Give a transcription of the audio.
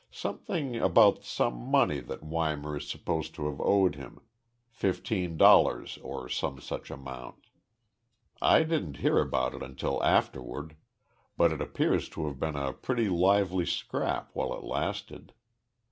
"Something about some money that Weimar is supposed to have owed him fifteen dollars or some such amount. I didn't hear about it until afterward, but it appears to have been a pretty lively scrap while it lasted.